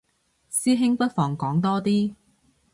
師兄不妨講多啲